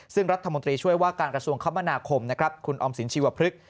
ซึ่งรัฐมนตรีช่วยว่าการกระทรวงคมนาคมนะครับคุณออมสินชีวพฤกษ